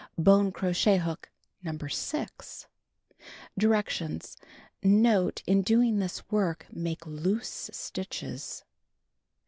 Bone crochet hook, No. 6. Directions : Note. — In doing this work, make loose stitches.